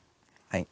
はい。